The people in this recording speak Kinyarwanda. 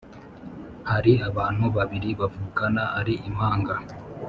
Hari abantu babiri bavukana ari impanga